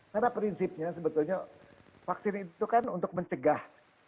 karena prinsipnya sebetulnya vaksin itu kan untuk mencegah